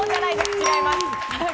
違います。